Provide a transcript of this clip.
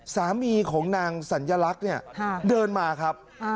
สามีของนางสัญลักษณ์เนี่ยเดินมาครับ